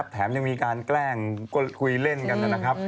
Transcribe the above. แถมยังมีการแกล้งก็คุยเล่นกันนะครับ